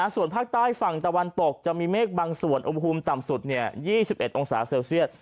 ส่วนภาคใต้ฝั่งตะวันตกจะมีเมฆบางส่วนอุณหภูมิต่ำสุด๒๑องศาเซลเซียต